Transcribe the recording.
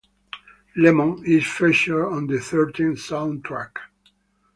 "Lemon" is featured on the "Thirteen" soundtrack.